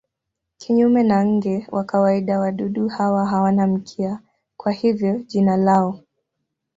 Kinyume na nge wa kawaida wadudu hawa hawana mkia, kwa hivyo jina lao.